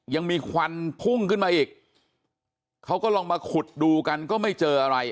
ควันพุ่งขึ้นมาอีกเขาก็ลองมาขุดดูกันก็ไม่เจออะไร